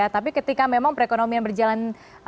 tapi ketika memang perekonomian berjalan